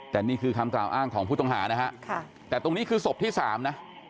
แต่นี่คือคำกล่าวอ้างของผู้ต้องหานะฮะแต่ตรงนี้คือศพที่๓นะ